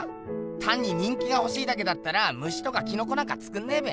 たんに人気がほしいだけだったら虫とかキノコなんかつくんねえべ。